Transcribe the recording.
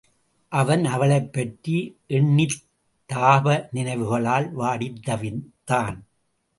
அவன் அவளைப் பற்றி எண்ணித் தாப நினைவுகளால் வாடித் தவித்தான்.